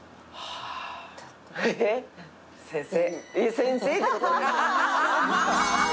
先生！